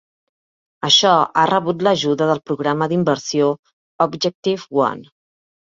Això ha rebut l'ajuda del programa d'inversió Objective One.